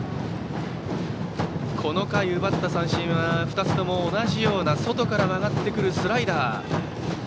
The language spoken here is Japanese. この回、奪った三振は２つとも同じような外から曲がってくるスライダー。